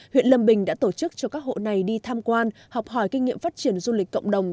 huyện lâm bình đã tổ chức cho các hộ này đi tham quan học hỏi kinh nghiệm phát triển du lịch cộng đồng